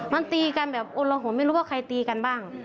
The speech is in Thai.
มันตีกันแบบโอละหนไม่รู้ว่าใครตีกันบ้าง